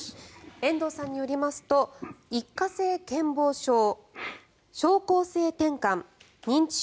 遠藤さんによりますと一過性健忘症症候性てんかん認知症